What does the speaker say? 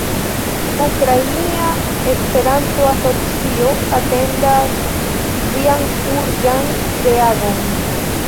Ukrainia Esperanto-Asocio atendas Vian urĝan reagon."